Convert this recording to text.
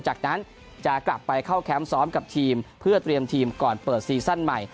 จากนั้นจะกลับไปเข้าแคมป์ซ้อมกับทีมเพื่อเตรียมทีมก่อนเปิดซีซั่นใหม่